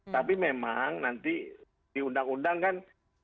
tapi memang nanti di undang undang kan